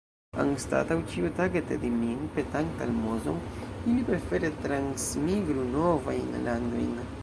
Anstataŭ ĉiutage tedi min, petante almozon, ili prefere transmigru novajn landojn!